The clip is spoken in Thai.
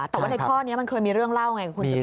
แต่ว่าในข้อนี้มันเคยมีเรื่องเล่าไงคุณสุก